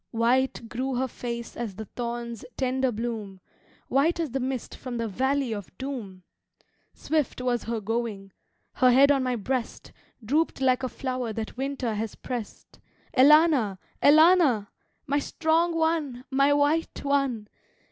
White grew her face as the thorn's tender bloom, White as the mist from the valley of doom! Swift was her going her head on my breast Drooped like a flower that winter has pressed Elana, Elana! My strong one, my white one!